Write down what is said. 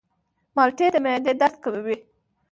مالټې د معدې درد کموي.